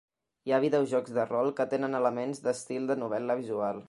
Hi ha videojocs de rol que tenen elements d'estil de novel·la visual.